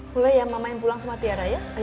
boleh ya mama yang pulang sama tiara ya